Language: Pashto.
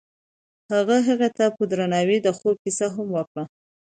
هغه هغې ته په درناوي د خوب کیسه هم وکړه.